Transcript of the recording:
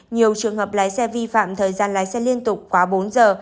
nhiều trường hợp lái xe vi phạm thời gian lái xe liên tục quá bốn giờ